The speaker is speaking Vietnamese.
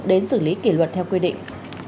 đến xử lý kỷ luật theo quy định